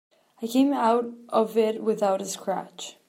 I came out of it without a scratch.